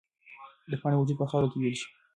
د پاڼې وجود په خاوره کې ویلې شو.